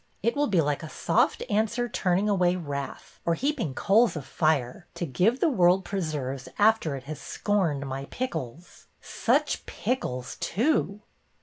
It will be like a soft answer turning away wrath, or heaping coals of fire, to give the world preserves after it has scorned my pickles. Such pickles, too